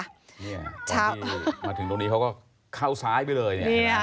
นี่ตอนที่มาถึงตรงนี้เขาก็เข้าซ้ายไปเลย